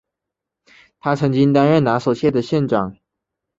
他曾经担任拿索县的县长。